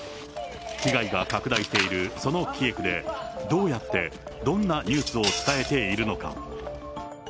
被害が拡大しているそのキエフで、どうやって、どんなニュースを伝えているのか。